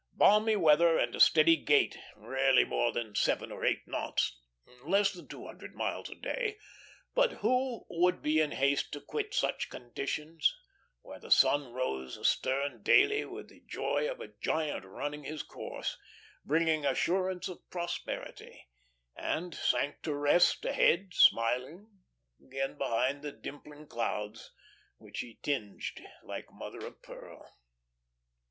Balmy weather and a steady gait, rarely more than seven or eight knots less than two hundred miles a day; but who would be in haste to quit such conditions, where the sun rose astern daily with the joy of a giant running his course, bringing assurance of prosperity, and sank to rest ahead smiling, again behind the dimpling clouds which he tinged like mother of pearl.